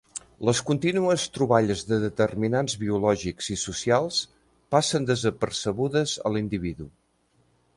Les contínues troballes de determinants biològics i socials passen desapercebudes a l'individu.